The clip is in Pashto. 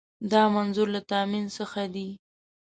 دا منظور له تامین څخه دی.